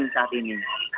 dan saat ini